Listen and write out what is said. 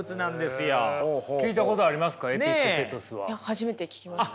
初めて聞きました。